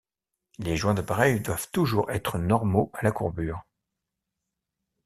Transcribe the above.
Les joints d'appareil doivent toujours être normaux à la courbure.